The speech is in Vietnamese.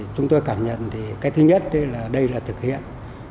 chúng tôi cảm nhận cái thứ nhất đây là thực hiện